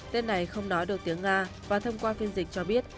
tên này không nói được tiếng nga và thông qua phiên dịch cho biết